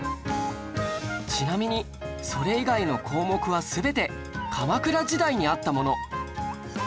ちなみにそれ以外の項目は全て鎌倉時代にあったもの